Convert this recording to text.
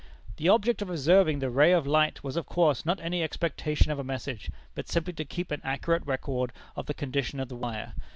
The object of observing the ray of light was of course not any expectation of a message, but simply to keep an accurate record of the condition of the wire.